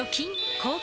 抗菌！